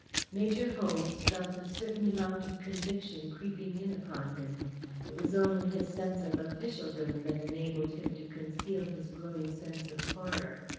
Major Holmes felt a certain amount of conviction creeping in upon him. It was only his sense of officialdom which enabled him to conceal his growing sense of horror.